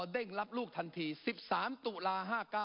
เร่งรับลูกทันที๑๓ตุลา๕๙